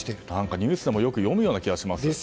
ニュースでもよく読むような感じがします。